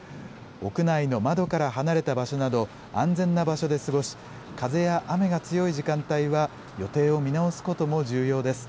屋内の窓から離れた場所など、安全な場所で過ごし、風や雨が強い時間帯は、予定を見直すことも重要です。